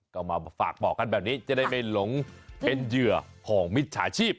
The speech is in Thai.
ก็มาฝากบอกกันแบบนี้จะได้ไม่หลงเป็นเหยื่อของมิจฉาชีพ